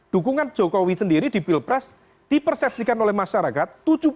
dukungan jokowi sendiri di pilpres dipersepsikan oleh masyarakat